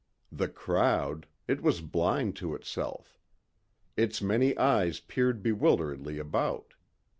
The crowd.... It was blind to itself. Its many eyes peered bewilderedly about.